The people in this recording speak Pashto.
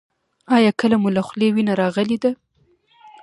ایا کله مو له خولې وینه راغلې ده؟